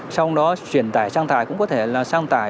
sau đó chuyển tải sang tải cũng có thể là sang tải